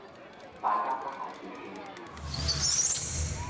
大家真係要記住